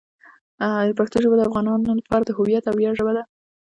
پښتو ژبه د افغانانو لپاره د هویت او ویاړ ژبه ده.